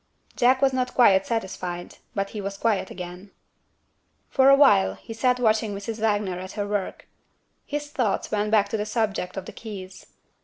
Jack was not quite satisfied; but he was quiet again. For awhile he sat watching Mrs. Wagner at her work. His thoughts went back to the subject of the keys.